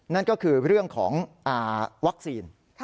นั่นก็คือเรื่องของวัคซีน